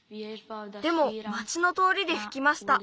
でも町のとおりでふきました。